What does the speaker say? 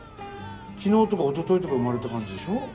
昨日とかおとといとか生まれた感じでしょ？